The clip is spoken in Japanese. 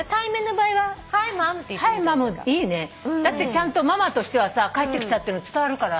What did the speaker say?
ちゃんとママとしてはさ帰ってきたっていうの伝わるから。